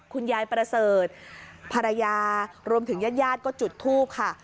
คุณยายประเสริฐภรรยารวมถึงญาติญาติก็จุดทูปค่ะ